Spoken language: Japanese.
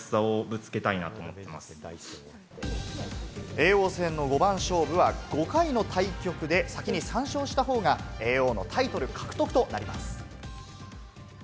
叡王戦の五番勝負は５回の対局で先に３勝したほうが叡王のタイトル獲得となります。